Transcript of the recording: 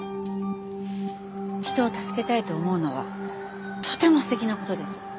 人を助けたいと思うのはとても素敵な事です。